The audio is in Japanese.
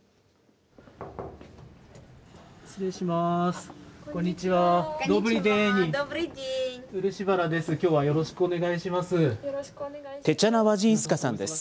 失礼します。